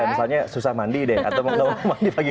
misalnya susah mandi deh atau mau mandi pagi